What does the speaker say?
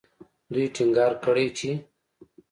دوی ټینګار کړی چې